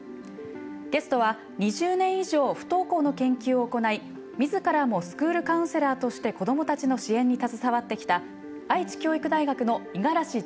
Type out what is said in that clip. ゲストは２０年以上不登校の研究を行い自らもスクールカウンセラーとして子どもたちの支援に携わってきた五十嵐さん